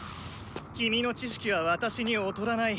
キミの知識は私に劣らない。